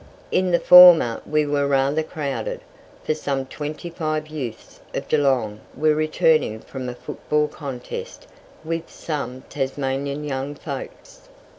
In the former we were rather crowded, for some twenty five youths of Geelong were returning from a football contest with some Tasmanian young folks.